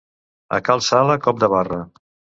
A Cal Sala, cop de barra.